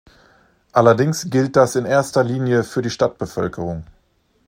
Allerdings gilt das in erster Linie für die Stadtbevölkerung.